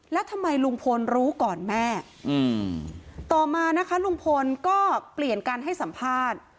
แล้วทำไมลุงพลรู้ก่อนแม่ต่อมานะคะลุงพลก็เปลี่ยนการให้สัมภาษณ์